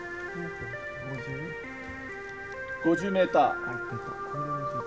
５０ｍ。